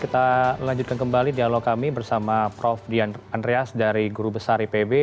kita lanjutkan kembali dialog kami bersama prof dwi andreas dari guru besar ipb